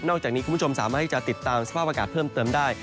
จากนี้คุณผู้ชมสามารถที่จะติดตามสภาพอากาศเพิ่มเติมได้